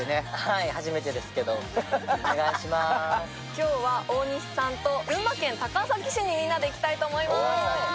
今日は大西さんと群馬県高崎市にみんなで行きたいと思います。